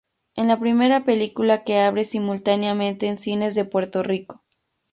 Es la primera película que abre simultáneamente en cines de Puerto Rico.